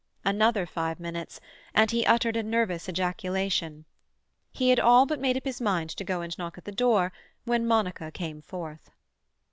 Another five minutes, and he uttered a nervous ejaculation. He had all but made up his mind to go and knock at the door when Monica came forth.